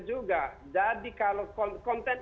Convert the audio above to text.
juga jadi kalau konten